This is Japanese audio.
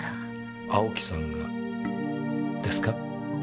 青木さんがですか？